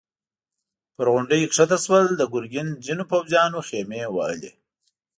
پر غونډۍ کښته شول، د ګرګين ځينو پوځيانو خيمې وهلې.